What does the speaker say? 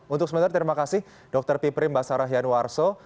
untuk sementara terima kasih dr piprim basarah yanwarso